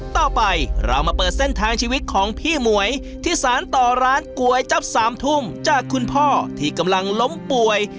ต่อไปเรามาเปิดเส้นทางชีวิตของพี่หมวยที่สารต่อร้านก๋วยจับสามทุ่มจากคุณพ่อที่กำลังล้มป่วย